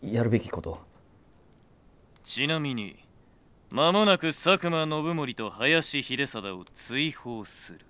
「ちなみに間もなく佐久間信盛と林秀貞を追放する」。